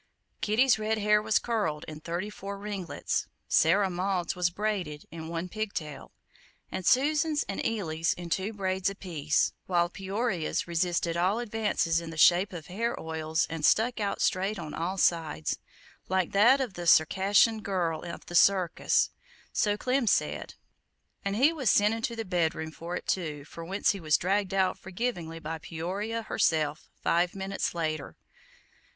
Kitty's red hair was curled in thirty four ringlets, Sarah Maud's was braided in one pig tail, and Susan's and Eily's in two braids apiece, while Peoria's resisted all advances in the shape of hair oils and stuck out straight on all sides, like that of the Circassian girl of the circus so Clem said; and he was sent into the bed room for it too, from whence he was dragged out forgivingly by Peoria herself, five minutes later.